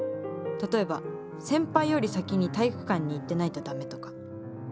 例えば先輩より先に体育館に行ってないと駄目とか。